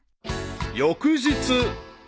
［翌日］